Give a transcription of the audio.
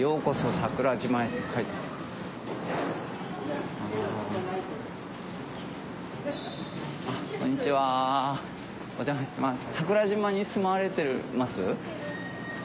桜島に住まれてます？